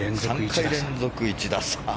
３回連続、１打差。